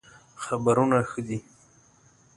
خبرونه ښه دئ